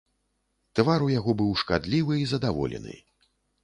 Твар у яго быў шкадлівы і задаволены.